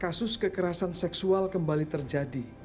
kasus kekerasan seksual kembali terjadi